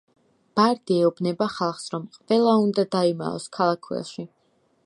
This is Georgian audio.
ბარდი ეუბნება ხალხს, რომ ყველა უნდა დაიმალოს ქალაქ ველში.